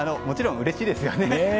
もちろん、うれしいですよね。